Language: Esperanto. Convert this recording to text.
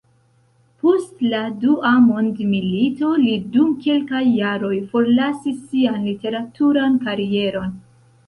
Post la Dua mondmilito li dum kelkaj jaroj forlasis sian literaturan karieron.